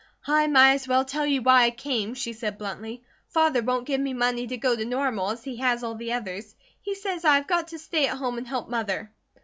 "I might as well tell you why I came," she said bluntly. "Father won't give me money to go to Normal, as he has all the others. He says I have got to stay at home and help Mother."